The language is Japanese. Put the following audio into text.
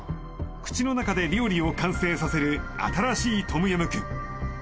口の中で料理を完成させる新しいトムヤムクン